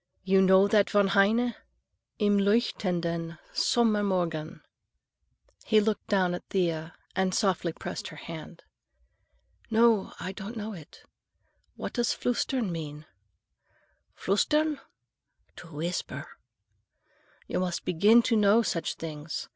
"You know that von Heine? Im leuchtenden Sommermorgen?" He looked down at Thea and softly pressed her hand. "No, I don't know it. What does flüstern mean?" "Flüstern?—to whisper. You must begin now to know such things.